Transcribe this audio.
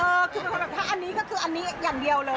อือคือเป็นคนแบบอันหนี้ก็คืออันนี้อย่างเดียวเลย